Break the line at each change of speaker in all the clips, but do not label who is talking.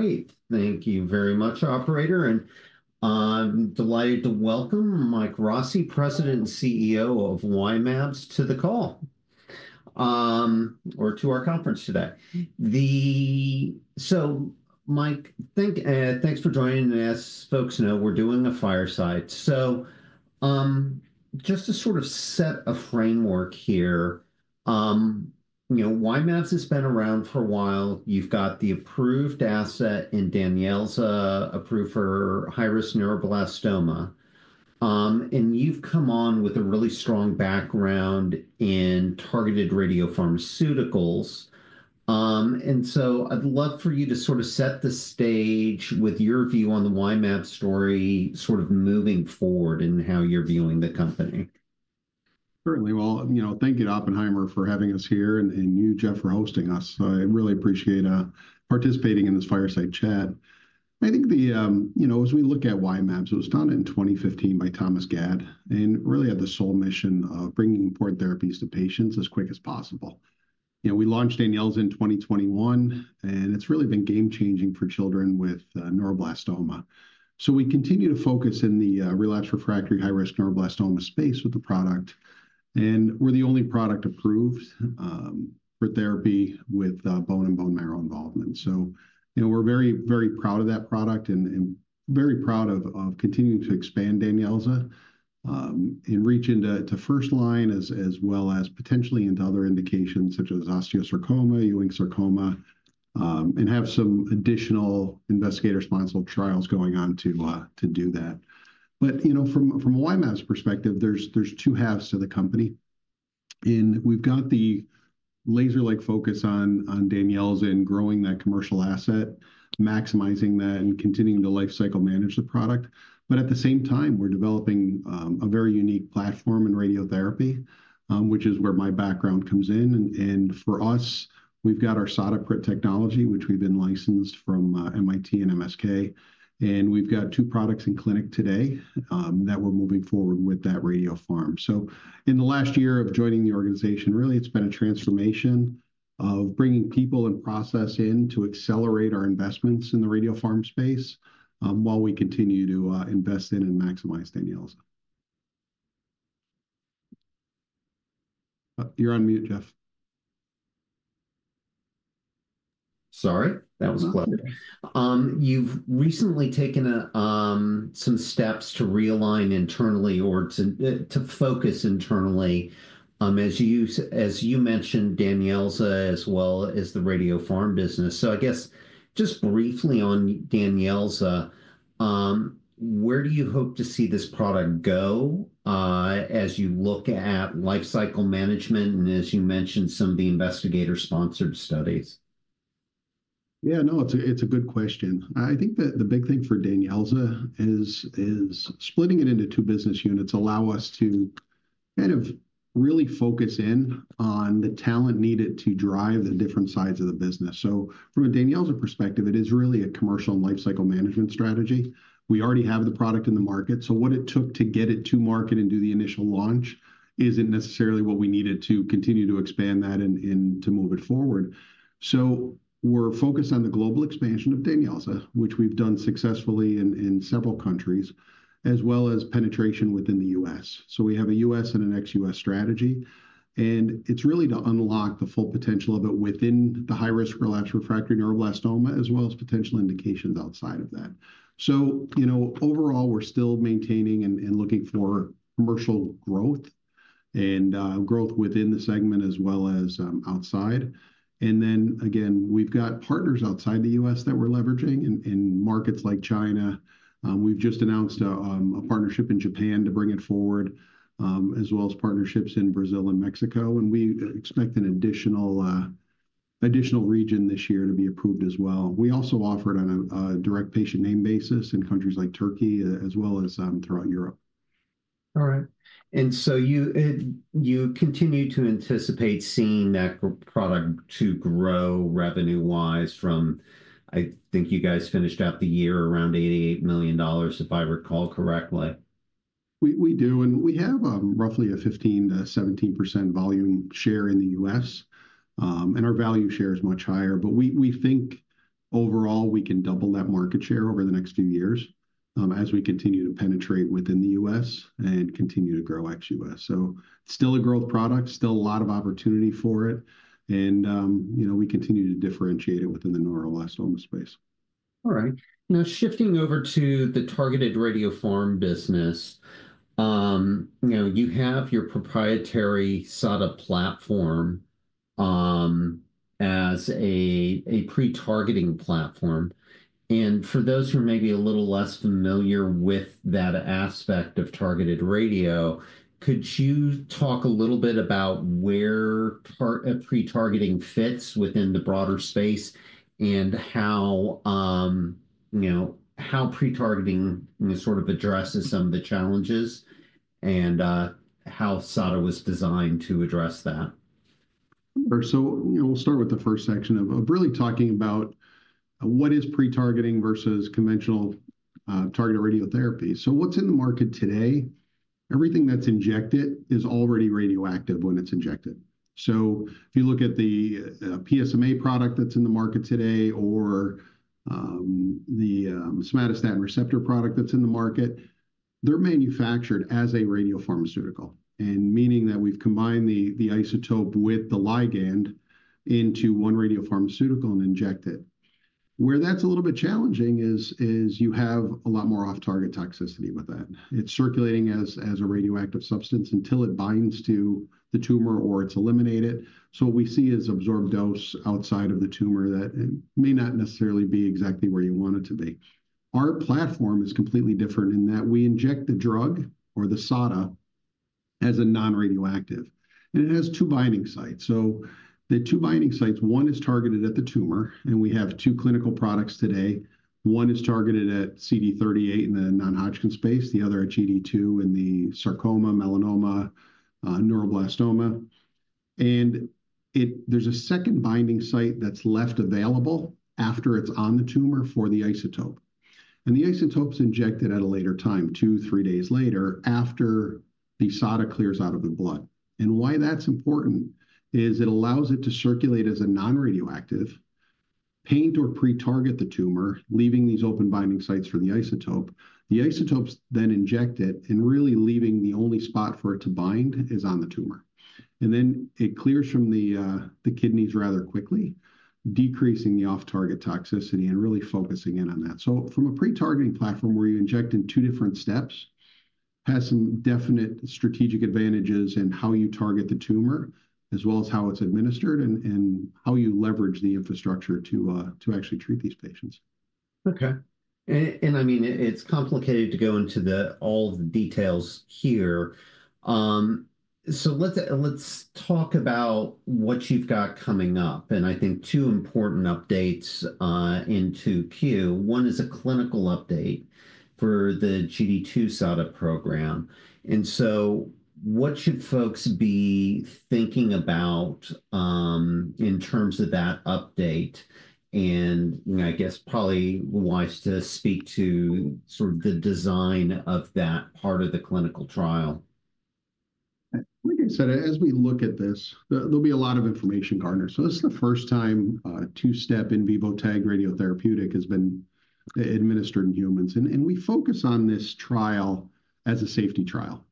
All right. Thank you very much, Operator. And I'm delighted to welcome Mike Rossi, President and CEO of Y-mAbs, to the call, or to our conference today. So, Mike, thanks for joining. And as folks know, we're doing a fireside. So just to sort of set a framework here, you know, Y-mAbs has been around for a while. You've got the approved asset in DANYELZA approval for high-risk neuroblastoma. And you've come on with a really strong background in targeted radiopharmaceuticals. And so I'd love for you to sort of set the stage with your view on the Y-mAbs story sort of moving forward and how you're viewing the company.
Certainly. Well, you know, thank you to Oppenheimer for having us here, and you, Jeff, for hosting us. I really appreciate participating in this fireside chat. I think the, you know, as we look at Y-mAbs, it was founded in 2015 by Thomas Gad and really had the sole mission of bringing important therapies to patients as quick as possible. You know, we launched DANYELZA in 2021, and it's really been game-changing for children with neuroblastoma, so we continue to focus in the relapsed refractory high-risk neuroblastoma space with the product, and we're the only product approved for therapy with bone and bone marrow involvement. So, you know, we're very, very proud of that product and very proud of continuing to expand DANYELZA and reach into first line as well as potentially into other indications such as osteosarcoma, Ewing sarcoma, and have some additional investigator-sponsored trials going on to do that. But, you know, from a Y-mAbs perspective, there's two halves to the company. And we've got the laser-like focus on DANYELZA and growing that commercial asset, maximizing that, and continuing to lifecycle manage the product. But at the same time, we're developing a very unique platform in radiotherapy, which is where my background comes in. And for us, we've got our SADA PRIT technology, which we've been licensed from MIT and MSK. And we've got two products in clinic today that we're moving forward with that radiopharm. So, in the last year of joining the organization, really, it's been a transformation of bringing people and process in to accelerate our investments in the radiopharm space while we continue to invest in and maximize DANYELZA's. You're on mute, Jeff. Sorry. That was clever. You've recently taken some steps to realign internally or to focus internally, as you mentioned, DANYELZA, as well as the radiopharm business. So I guess just briefly on DANYELZA, where do you hope to see this product go as you look at lifecycle management and, as you mentioned, some of the investigator-sponsored studies? Yeah, no, it's a good question. I think that the big thing for DANYELZA is splitting it into two business units allows us to kind of really focus in on the talent needed to drive the different sides of the business. So from a DANYELZA perspective, it is really a commercial and lifecycle management strategy. We already have the product in the market. So what it took to get it to market and do the initial launch isn't necessarily what we needed to continue to expand that and to move it forward. So we're focused on the global expansion of DANYELZA, which we've done successfully in several countries, as well as penetration within the U.S. So we have a U.S. and an ex-U.S. strategy, and it's really to unlock the full potential of it within the high-risk relapse refractory neuroblastoma, as well as potential indications outside of that. You know, overall, we're still maintaining and looking for commercial growth and growth within the segment as well as outside. Then, again, we've got partners outside the U.S. that we're leveraging in markets like China. We've just announced a partnership in Japan to bring it forward, as well as partnerships in Brazil and Mexico. We expect an additional region this year to be approved as well. We also offer it on a direct patient name basis in countries like Turkey, as well as throughout Europe. All right. And so you continue to anticipate seeing that product to grow revenue-wise from, I think you guys finished out the year around $88 million, if I recall correctly. We do. And we have roughly a 15%-17% volume share in the U.S. And our value share is much higher. But we think overall we can double that market share over the next few years as we continue to penetrate within the U.S. and continue to grow ex-U.S. So still a growth product, still a lot of opportunity for it. And, you know, we continue to differentiate it within the neuroblastoma space. All right. Now, shifting over to the targeted radiopharm business, you know, you have your proprietary SADA platform as a pre-targeting platform. And for those who are maybe a little less familiar with that aspect of targeted radio, could you talk a little bit about where pre-targeting fits within the broader space and how, you know, how pre-targeting sort of addresses some of the challenges and how SADA was designed to address that? Sure. So, you know, we'll start with the first section of really talking about what is pre-targeting versus conventional targeted radiotherapy. So what's in the market today? Everything that's injected is already radioactive when it's injected. So if you look at the PSMA product that's in the market today or the somatostatin receptor product that's in the market, they're manufactured as a radiopharmaceutical, meaning that we've combined the isotope with the ligand into one radiopharmaceutical and inject it. Where that's a little bit challenging is you have a lot more off-target toxicity with that. It's circulating as a radioactive substance until it binds to the tumor or it's eliminated. So what we see is absorbed dose outside of the tumor that may not necessarily be exactly where you want it to be. Our platform is completely different in that we inject the drug or the SADA as a non-radioactive. It has two binding sites. The two binding sites, one is targeted at the tumor, and we have two clinical products today. One is targeted at CD38 in the non-Hodgkin space, the other at GD2 in the sarcoma, melanoma, neuroblastoma. There's a second binding site that's left available after it's on the tumor for the isotope. The isotope's injected at a later time, two, three days later after the SADA clears out of the blood. Why that's important is it allows it to circulate as a non-radioactive paint or pre-target the tumor, leaving these open binding sites for the isotope. The isotopes then inject it, really leaving the only spot for it to bind is on the tumor. Then it clears from the kidneys rather quickly, decreasing the off-target toxicity and really focusing in on that. From a pre-targeting platform where you inject in two different steps, it has some definite strategic advantages in how you target the tumor, as well as how it's administered and how you leverage the infrastructure to actually treat these patients. Okay. And I mean, it's complicated to go into all the details here. So let's talk about what you've got coming up. And I think two important updates in the queue. One is a clinical update for the GD2-SADA program. And so what should folks be thinking about in terms of that update? And I guess probably wants to speak to sort of the design of that part of the clinical trial. Like I said, as we look at this, there'll be a lot of information to garner. This is the first time a two-step in vivo targeted radiotherapeutic has been administered in humans. We focus on this trial as a safety trial.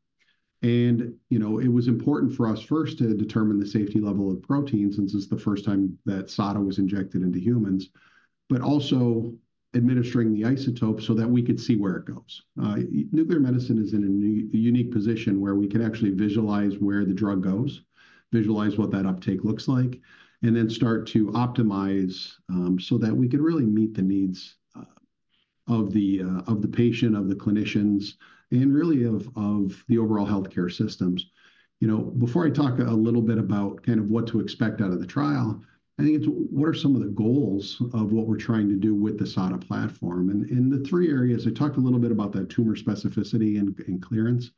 You know, it was important for us first to determine the safety level of proteins since it's the first time that SADA was injected into humans, but also administering the isotope so that we could see where it goes. Nuclear medicine is in a unique position where we can actually visualize where the drug goes, visualize what that uptake looks like, and then start to optimize so that we can really meet the needs of the patient, of the clinicians, and really of the overall healthcare systems. You know, before I talk a little bit about kind of what to expect out of the trial, I think it's what are some of the goals of what we're trying to do with the SADA platform, and the three areas I talked a little bit about, that tumor specificity and clearance.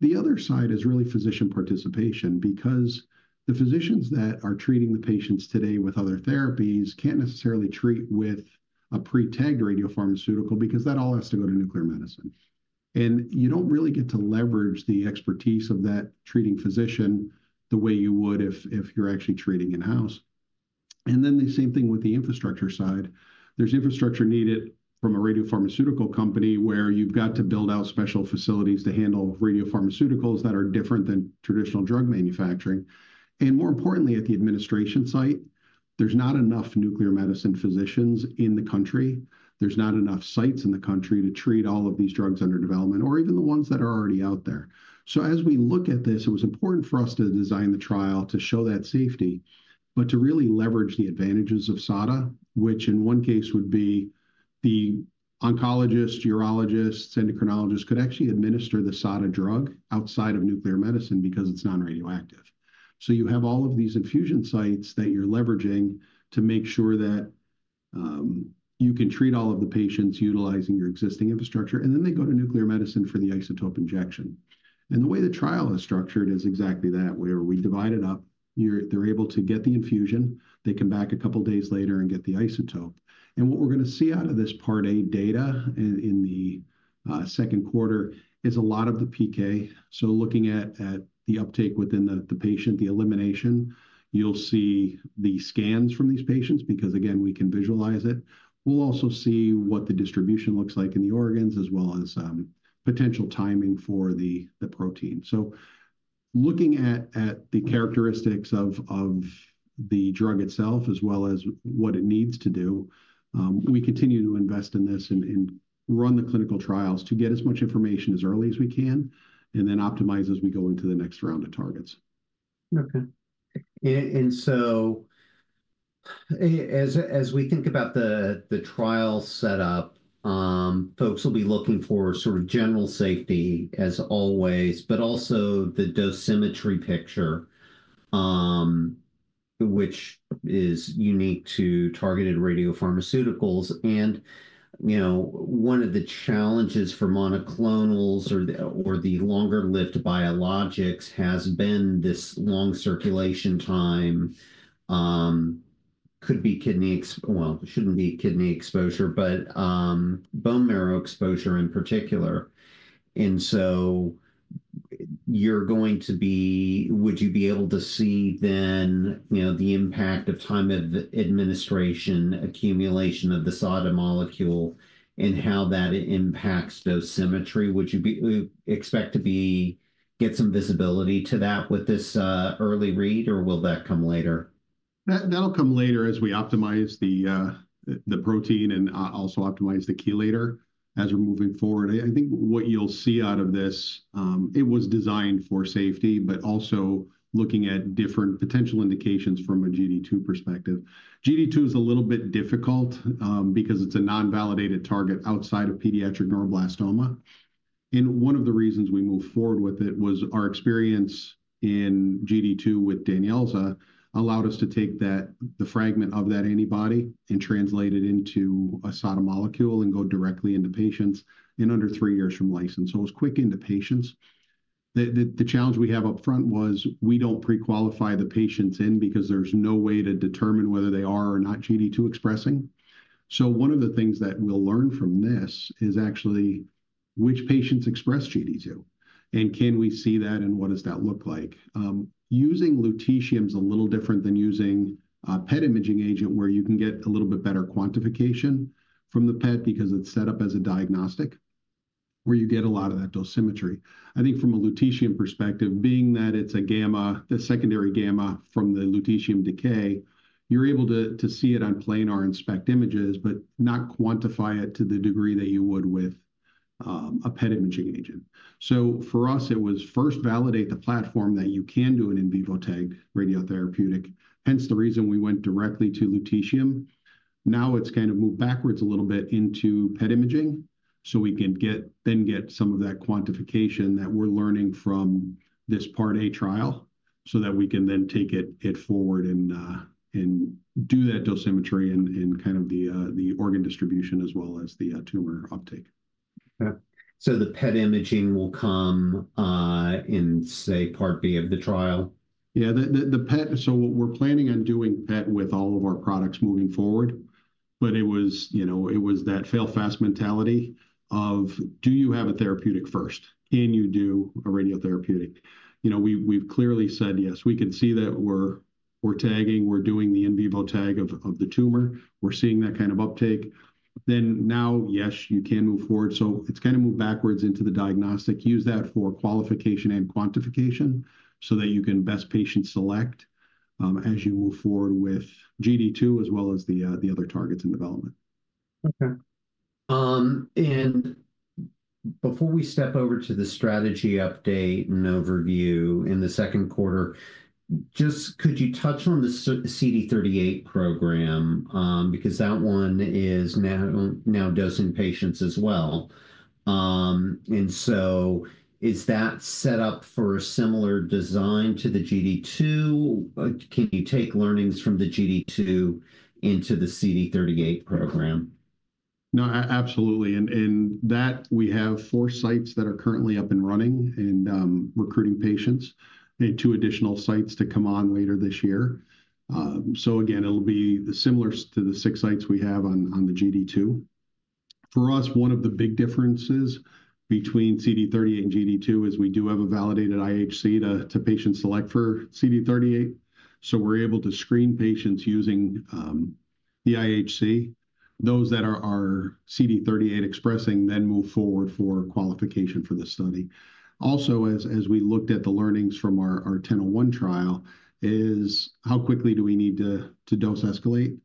The other side is really physician participation because the physicians that are treating the patients today with other therapies can't necessarily treat with a pre-targeted radiopharmaceutical because that all has to go to nuclear medicine. And you don't really get to leverage the expertise of that treating physician the way you would if you're actually treating in-house, and then the same thing with the infrastructure side. There's infrastructure needed from a radiopharmaceutical company where you've got to build out special facilities to handle radiopharmaceuticals that are different than traditional drug manufacturing. More importantly, at the administration site, there's not enough nuclear medicine physicians in the country. There's not enough sites in the country to treat all of these drugs under development or even the ones that are already out there. As we look at this, it was important for us to design the trial to show that safety, but to really leverage the advantages of SADA, which in one case would be the oncologists, urologists, endocrinologists could actually administer the SADA drug outside of nuclear medicine because it's non-radioactive. You have all of these infusion sites that you're leveraging to make sure that you can treat all of the patients utilizing your existing infrastructure, and then they go to nuclear medicine for the isotope injection. The way the trial is structured is exactly that, where we divide it up. They're able to get the infusion. They come back a couple of days later and get the isotope and what we're going to see out of this Part A data in the second quarter is a lot of the PK so looking at the uptake within the patient, the elimination, you'll see the scans from these patients because, again, we can visualize it. We'll also see what the distribution looks like in the organs as well as potential timing for the protein so looking at the characteristics of the drug itself as well as what it needs to do, we continue to invest in this and run the clinical trials to get as much information as early as we can and then optimize as we go into the next round of targets. Okay. And so as we think about the trial setup, folks will be looking for sort of general safety as always, but also the dosimetry picture, which is unique to targeted radiopharmaceuticals. And, you know, one of the challenges for monoclonals or the longer-lived biologics has been this long circulation time. Could be kidney exposure, well, shouldn't be kidney exposure, but bone marrow exposure in particular. And so you're going to be, would you be able to see then, you know, the impact of time of administration, accumulation of the SADA molecule, and how that impacts dosimetry? Would you expect to get some visibility to that with this early read, or will that come later? That'll come later as we optimize the protein and also optimize the chelator as we're moving forward. I think what you'll see out of this, it was designed for safety, but also looking at different potential indications from a GD2 perspective. GD2 is a little bit difficult because it's a non-validated target outside of pediatric neuroblastoma. And one of the reasons we moved forward with it was our experience in GD2 with DANYELZA allowed us to take the fragment of that antibody and translate it into a SADA molecule and go directly into patients in under three years from license. So it was quick into patients. The challenge we have upfront was we don't pre-qualify the patients in because there's no way to determine whether they are or not GD2 expressing. So one of the things that we'll learn from this is actually which patients express GD2, and can we see that, and what does that look like? Using lutetium is a little different than using a PET imaging agent where you can get a little bit better quantification from the PET because it's set up as a diagnostic where you get a lot of that dosimetry. I think from a lutetium perspective, being that it's a gamma, the secondary gamma from the lutetium decay, you're able to see it on planar SPECT images, but not quantify it to the degree that you would with a PET imaging agent. So for us, it was first validate the platform that you can do an in vivo targeted radiotherapeutic. Hence the reason we went directly to lutetium. Now it's kind of moved backwards a little bit into PET imaging, so we can then get some of that quantification that we're learning from this Part A trial, so that we can then take it forward and do that dosimetry and kind of the organ distribution as well as the tumor uptake. Okay, so the PET imaging will come in, say, Part B of the trial? Yeah, the PET. So we're planning on doing PET with all of our products moving forward. But it was, you know, it was that fail fast mentality of, do you have a therapeutic first? Can you do a radiotherapeutic? You know, we've clearly said yes. We can see that we're tagging, we're doing the in vivo tag of the tumor. We're seeing that kind of uptake. Then now, yes, you can move forward. So it's kind of moved backwards into the diagnostic, use that for qualification and quantification so that you can best patient select as you move forward with GD2 as well as the other targets in development. Okay. And before we step over to the strategy update and overview in the second quarter, just could you touch on the CD38 program? Because that one is now dosing patients as well. And so is that set up for a similar design to the GD2? Can you take learnings from the GD2 into the CD38 program? No, absolutely, and that we have four sites that are currently up and running and recruiting patients and two additional sites to come on later this year, so again, it'll be similar to the six sites we have on the GD2. For us, one of the big differences between CD38 and GD2 is we do have a validated IHC to patient select for CD38, so we're able to screen patients using the IHC. Those that are CD38 expressing then move forward for qualification for the study. Also, as we looked at the learnings from our 1001 trial, is how quickly do we need to dose escalate,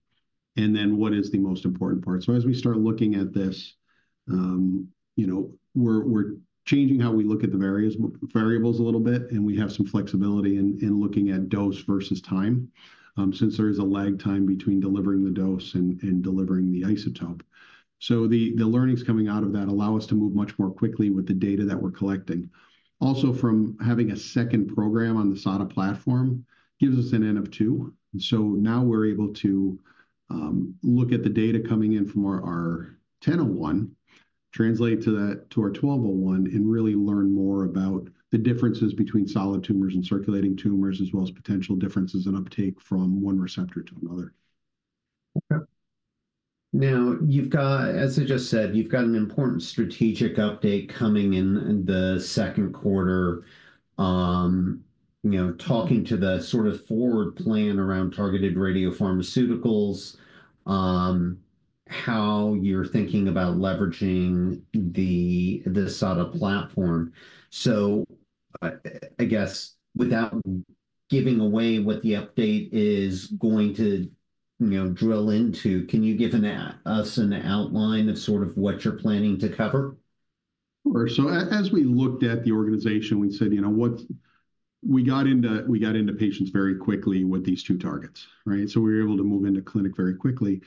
and then what is the most important part? As we start looking at this, you know, we're changing how we look at the variables a little bit, and we have some flexibility in looking at dose versus time since there is a lag time between delivering the dose and delivering the isotope. The learnings coming out of that allow us to move much more quickly with the data that we're collecting. Also, from having a second program on the SADA platform gives us an N of two. Now we're able to look at the data coming in from our 1001, translate to our 1201, and really learn more about the differences between solid tumors and circulating tumors as well as potential differences in uptake from one receptor to another. Okay. Now, as I just said, you've got an important strategic update coming in the second quarter, you know, talking to the sort of forward plan around targeted radiopharmaceuticals, how you're thinking about leveraging the SADA platform. So I guess without giving away what the update is going to, you know, drill into, can you give us an outline of sort of what you're planning to cover? Sure. So as we looked at the organization, we said, you know, we got into patients very quickly with these two targets, right? So we were able to move into clinic very quickly.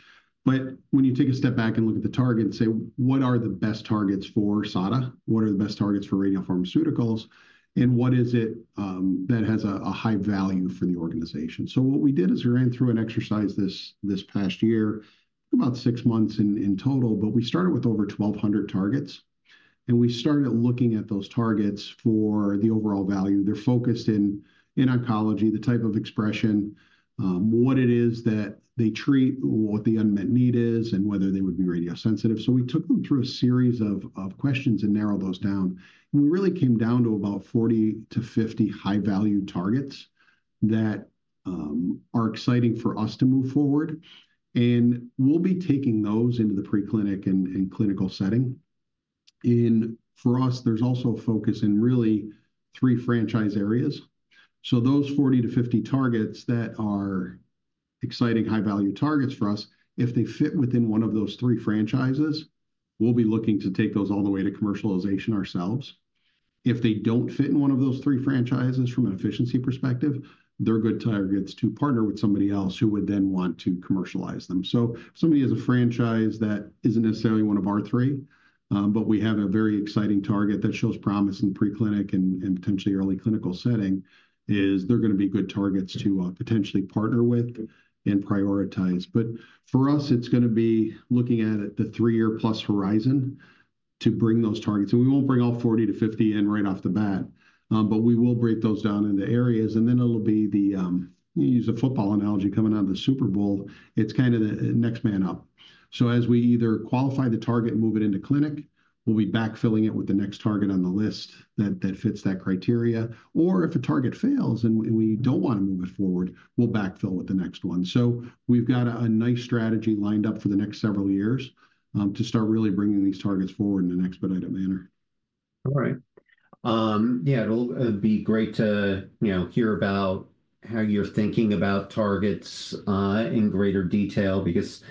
But when you take a step back and look at the target and say, what are the best targets for SADA? What are the best targets for radiopharmaceuticals? And what is it that has a high value for the organization? So what we did is we ran through an exercise this past year, about six months in total, but we started with over 1,200 targets. And we started looking at those targets for the overall value. They're focused in oncology, the type of expression, what it is that they treat, what the unmet need is, and whether they would be radiosensitive. So we took them through a series of questions and narrowed those down. We really came down to about 40-50 high-value targets that are exciting for us to move forward. We'll be taking those into the preclinical and clinical setting. For us, there's also a focus in really three franchise areas. Those 40-50 targets that are exciting high-value targets for us, if they fit within one of those three franchises, we'll be looking to take those all the way to commercialization ourselves. If they don't fit in one of those three franchises from an efficiency perspective, they're good targets to partner with somebody else who would then want to commercialize them. Somebody has a franchise that isn't necessarily one of our three, but we have a very exciting target that shows promise in preclinical and potentially early clinical setting. They're going to be good targets to potentially partner with and prioritize. But for us, it's going to be looking at the three-year plus horizon to bring those targets. And we won't bring all 40-50 in right off the bat, but we will break those down into areas. And then it'll be the, use a football analogy coming out of the Super Bowl, it's kind of the next man up. So as we either qualify the target and move it into clinic, we'll be backfilling it with the next target on the list that fits that criteria. Or if a target fails and we don't want to move it forward, we'll backfill with the next one. So we've got a nice strategy lined up for the next several years to start really bringing these targets forward in an expedited manner. All right. Yeah, it'll be great to, you know, hear about how you're thinking about targets in greater detail because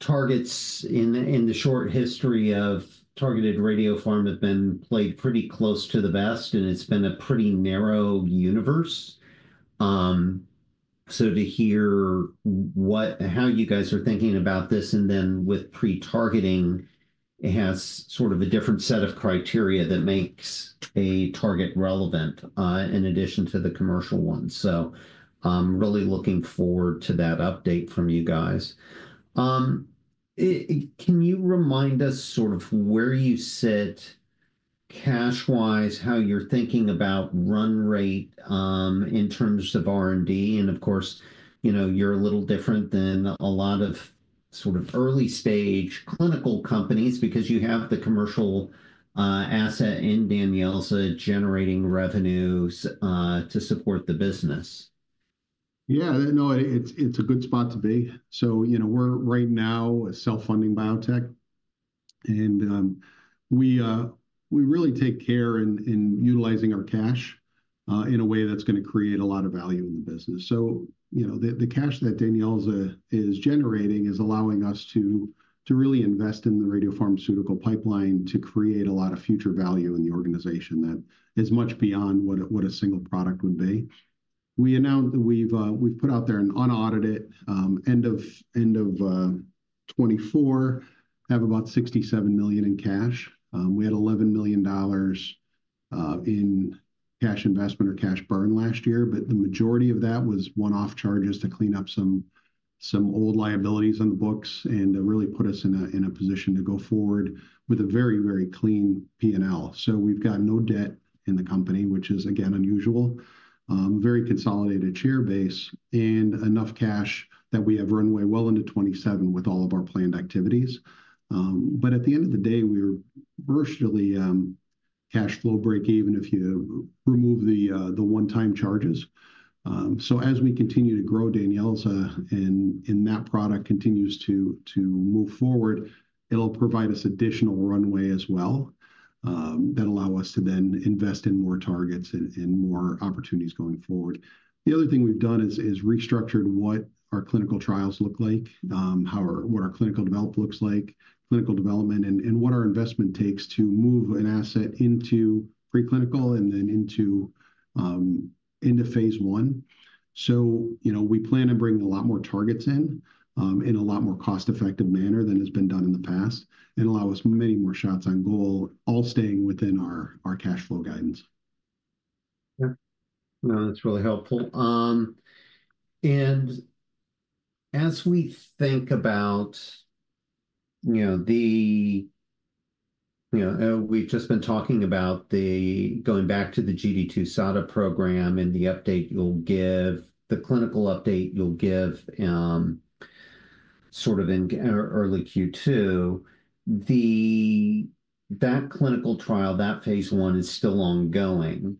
targets in the short history of targeted radiopharma have been played pretty close to the vest, and it's been a pretty narrow universe. So to hear how you guys are thinking about this and then with pre-targeting, it has sort of a different set of criteria that makes a target relevant in addition to the commercial one. So really looking forward to that update from you guys. Can you remind us sort of where you sit cash-wise, how you're thinking about run rate in terms of R&D? And of course, you know, you're a little different than a lot of sort of early-stage clinical companies because you have the commercial asset in DANYELZA generating revenues to support the business. Yeah, no, it's a good spot to be. You know, we're right now self-funding biotech. We really take care in utilizing our cash in a way that's going to create a lot of value in the business. You know, the cash that DANYELZA is generating is allowing us to really invest in the radiopharmaceutical pipeline to create a lot of future value in the organization that is much beyond what a single product would be. We announced that we've put out there an unaudited end of 2024, have about $67 million in cash. We had $11 million in cash investment or cash burn last year, but the majority of that was one-off charges to clean up some old liabilities on the books and really put us in a position to go forward with a very, very clean P&L. So we've got no debt in the company, which is, again, unusual, very consolidated share base, and enough cash that we have runway well into 2027 with all of our planned activities. But at the end of the day, we're virtually cash flow break even if you remove the one-time charges. So as we continue to grow, DANYELZA and that product continues to move forward, it'll provide us additional runway as well that allows us to then invest in more targets and more opportunities going forward. The other thing we've done is restructured what our clinical trials look like, what our clinical development looks like, clinical development, and what our investment takes to move an asset into preclinical and then into Phase I. You know, we plan on bringing a lot more targets in a lot more cost-effective manner than has been done in the past and allow us many more shots on goal, all staying within our cash flow guidance. Yeah. No, that's really helpful. And as we think about, you know, we've just been talking about going back to the GD2-SADA program and the update you'll give, the clinical update you'll give sort of in early Q2, that clinical trial, that Phase I is still ongoing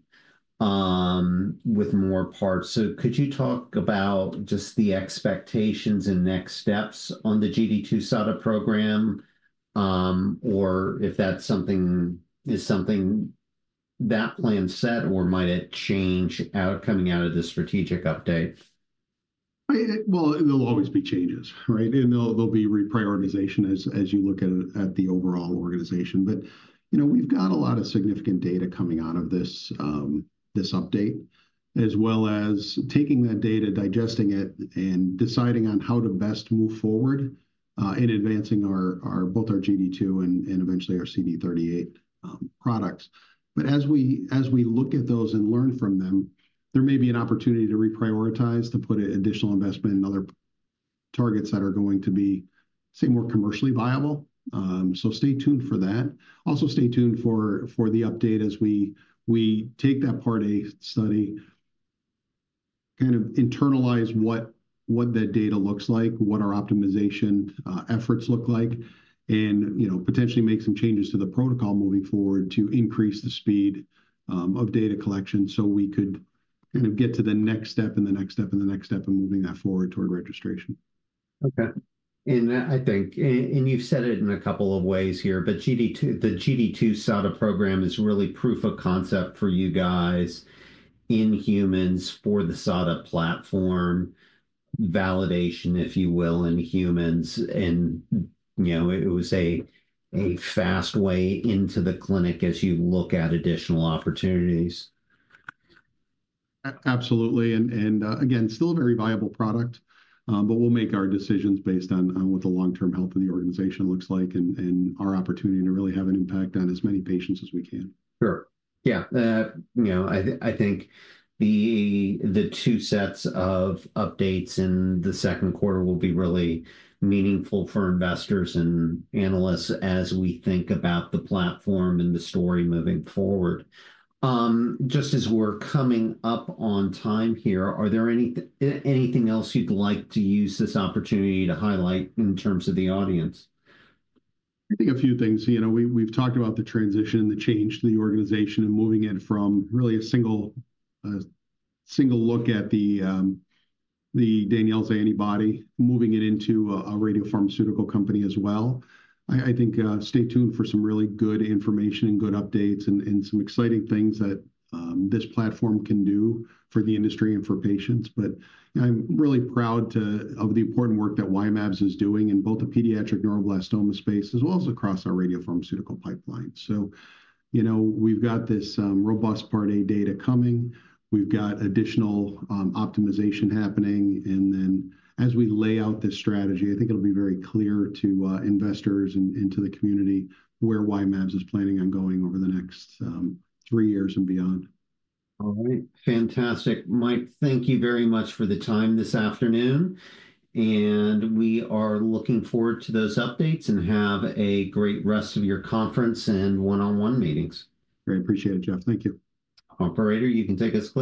with more parts. So could you talk about just the expectations and next steps on the GD2 SADA program or if that's something that plans set or might it change coming out of the strategic update? There'll always be changes, right? There'll be reprioritization as you look at the overall organization. You know, we've got a lot of significant data coming out of this update as well as taking that data, digesting it, and deciding on how to best move forward in advancing both our GD2 and eventually our CD38 products. As we look at those and learn from them, there may be an opportunity to reprioritize, to put additional investment in other targets that are going to be, say, more commercially viable. Stay tuned for that. Also stay tuned for the update as we take that Part A study, kind of internalize what that data looks like, what our optimization efforts look like, and, you know, potentially make some changes to the protocol moving forward to increase the speed of data collection so we could kind of get to the next step and the next step and the next step and moving that forward toward registration. Okay. And I think, and you've said it in a couple of ways here, but the GD2 SADA program is really proof of concept for you guys in humans for the SADA platform, validation, if you will, in humans. And, you know, it was a fast way into the clinic as you look at additional opportunities. Absolutely. And again, still a very viable product, but we'll make our decisions based on what the long-term health of the organization looks like and our opportunity to really have an impact on as many patients as we can. Sure. Yeah. You know, I think the two sets of updates in the second quarter will be really meaningful for investors and analysts as we think about the platform and the story moving forward. Just as we're coming up on time here, are there anything else you'd like to use this opportunity to highlight in terms of the audience? I think a few things. You know, we've talked about the transition, the change to the organization and moving it from really a single look at the DANYELZA antibody, moving it into a radiopharmaceutical company as well. I think stay tuned for some really good information and good updates and some exciting things that this platform can do for the industry and for patients. But I'm really proud of the important work that Y-mAbs is doing in both the pediatric neuroblastoma space as well as across our radiopharmaceutical pipeline. So, you know, we've got this robust Part A data coming. We've got additional optimization happening. And then as we lay out this strategy, I think it'll be very clear to investors and to the community where Y-mAbs is planning on going over the next three years and beyond. All right. Fantastic. Mike, thank you very much for the time this afternoon, and we are looking forward to those updates and have a great rest of your conference and one-on-one meetings. Great. Appreciate it, Jeff. Thank you. Operator, you can take us.